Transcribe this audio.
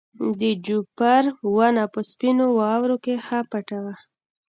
د جوپر ونه په سپینو واورو کې ښه پټه وه.